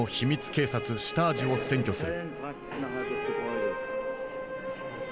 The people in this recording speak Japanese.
警察シュタージを占拠する。